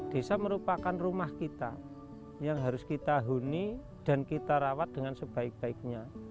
desa merupakan rumah kita yang harus kita huni dan kita rawat dengan sebaik baiknya